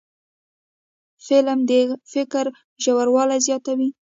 فلم د فکر ژوروالی زیاتوي